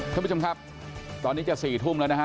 ท่านผู้ชมครับตอนนี้จะ๔ทุ่มแล้วนะฮะ